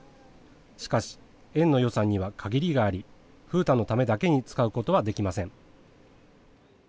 しかし、園の予算には限りがあり風太のためだけに使うことはできません。